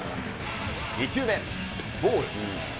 ２球目、ボール。